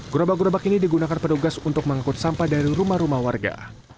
gerobak gerobak ini digunakan petugas untuk mengangkut sampah dari rumah rumah warga